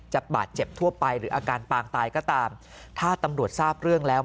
บาดเจ็บทั่วไปหรืออาการปางตายก็ตามถ้าตำรวจทราบเรื่องแล้ว